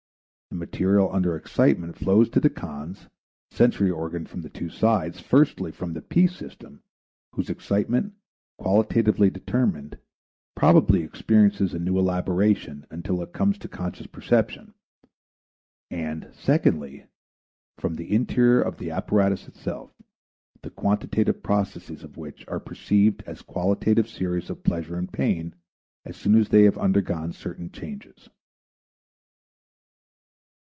The material under excitement flows to the Cons, sensory organ from two sides, firstly from the P system whose excitement, qualitatively determined, probably experiences a new elaboration until it comes to conscious perception; and, secondly, from the interior of the apparatus itself, the quantitative processes of which are perceived as a qualitative series of pleasure and pain as soon as they have undergone certain changes.